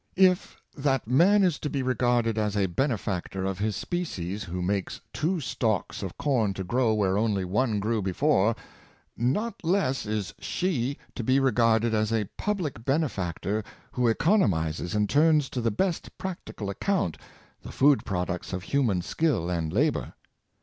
If that man is to be regarded as a benefactor of his species who makes two stalks of corn to grow where only one grew before, not less is she to be regarded as a public bene factor who economizes and turns to the best practical account the food products of human skill and labor.